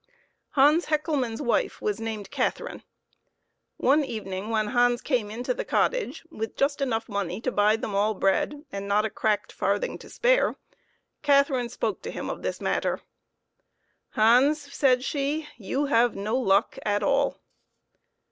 Hans Hecklemann's wife was named Catherine. One evening when Hans came into the cottage with just enough money to buy them all bread and not a cracked farthing to spare, Catherine spoke to him of this matter. " Hans," said she, " you have no luck at all."